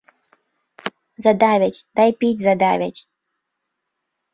Задавяць, дай піць задавяць.